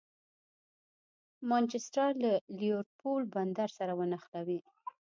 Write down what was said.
مانچسټر له لېورپول بندر سره ونښلوي.